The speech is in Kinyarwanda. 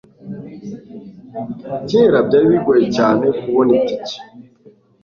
kera, byari bigoye cyane kubona itike